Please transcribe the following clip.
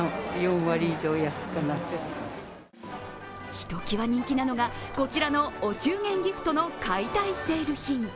ひときわ人気なのがこちらのお中元ギフトの解体セール品。